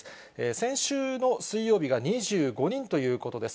先週の水曜日が２５人ということです。